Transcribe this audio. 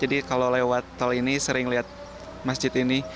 jadi kalau lewat tol ini sering lihat masjid ini